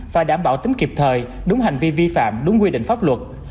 phải đảm bảo tính kịp thời đúng hành vi vi phạm đúng quy định pháp luật